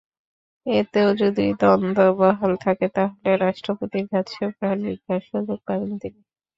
এতেও যদি দণ্ড বহাল থাকে, তাহলে রাষ্ট্রপতির কাছে প্রাণভিক্ষার সুযোগ পাবেন তিনি।